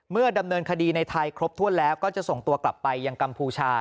ดำเนินคดีในไทยครบถ้วนแล้วก็จะส่งตัวกลับไปยังกัมพูชา